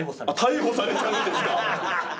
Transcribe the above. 逮捕されちゃうんですか。